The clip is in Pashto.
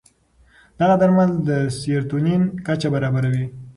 دغه درمل د سیروتونین کچه برابروي.